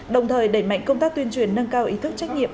đồng thời đẩy mạnh công tác tuyên truyền nâng cao ý thức trách nhiệm